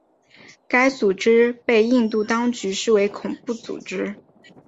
该组织被印度当局视为恐怖组织。